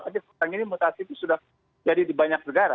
tapi sekarang ini mutasi itu sudah jadi di banyak negara